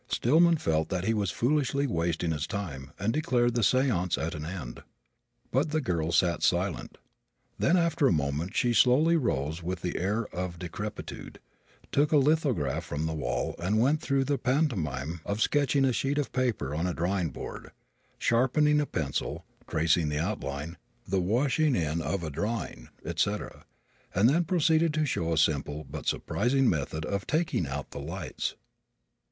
Stillman felt that he was foolishly wasting his time and declared the seance at an end. But the girl sat silent. Then after a moment she slowly arose with the air of decrepitude, took a lithograph from the wall and went through the pantomime of stretching a sheet of paper on a drawing board, sharpening a pencil, tracing the outline, the washing in of a drawing, etc., and then proceeded to show a simple but surprising method of taking out the lights.